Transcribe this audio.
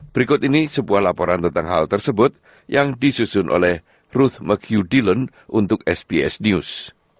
berikut ini sebuah laporan tentang hal tersebut yang disusun oleh ruth macu deallen untuk sps news